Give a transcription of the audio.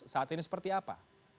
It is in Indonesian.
saat ini seperti apa